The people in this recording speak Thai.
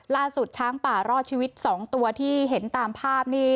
ช้างป่ารอดชีวิต๒ตัวที่เห็นตามภาพนี้